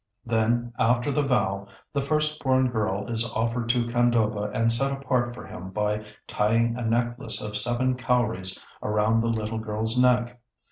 Then after the vow, the first born girl is offered to Khandoba and set apart for him by tying a necklace of seven cowries around the little girl's neck.